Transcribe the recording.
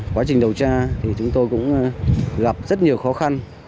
quá trình điều tra thì chúng tôi cũng gặp rất nhiều khó khăn